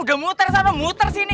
udah muter sama muter sini